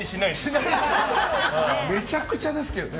めちゃくちゃですけどね。